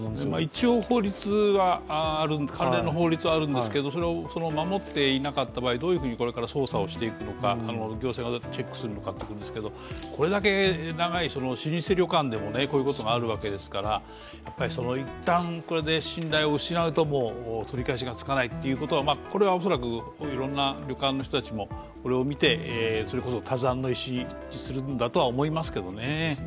一応、関連の法律はあるんですがそれを守っていなかった場合これからどういうふうに捜査をしていくのか行政がチェックしていくのかこれだけ長い老舗旅館でもこういうことがあるわけですから一旦、これで信頼を失うと、取り返しがつかないということはこれは恐らくいろんな旅館の人たちもこれを見てそれこそ他山の石にするんだと思うんですけどね。